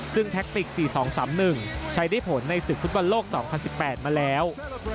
ซึ่งแท็กติก๔๒๓๑ใช้ได้ผลในศึกฟุตบอลโลก๒๐๑๘มาแล้ว